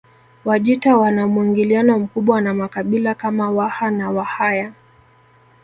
Wajita wana muingiliano mkubwa na makabila kama Waha na Wahaya